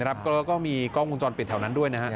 แล้วก็มีกล้องวงจรปิดแถวนั้นด้วยนะฮะ